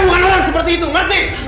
pembalaskan gua kita